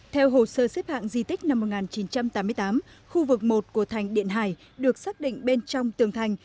theo hồ sơ xếp hạng di tích năm một nghìn chín trăm tám mươi tám khu vực một của thành điện hải được xác định bên trong tường thành